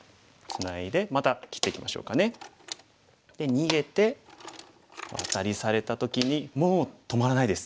逃げてアタリされた時にもう止まらないです。